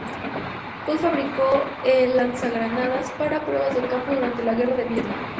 Colt fabricó el lanzagranadas para pruebas de campo durante la Guerra de Vietnam.